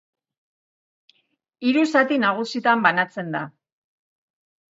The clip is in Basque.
Hiru zati nagusitan banatzen da.